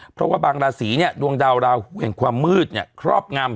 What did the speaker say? เพราะว่าบางราศีเนี่ยดวงดาวราหูแห่งความมืดเนี่ยครอบงำ